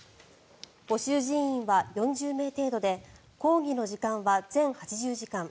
募集人員は４０名程度で講義の時間は全８０時間。